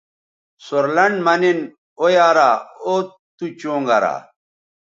سور لنڈ مہ نِن او یارااو تُو چوں گرا